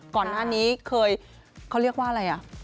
ก่อนหน้านี้เคยเขาเรียกว่าอะไรอ่ะ